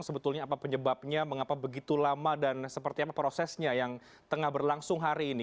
sebetulnya apa penyebabnya mengapa begitu lama dan seperti apa prosesnya yang tengah berlangsung hari ini